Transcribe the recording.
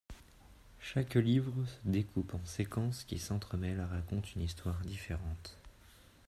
Chaque livre se découpe en séquences qui s'entremêlent et racontent une histoire différente.